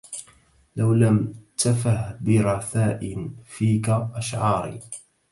لو لم تفه برثاء فيك أشعاري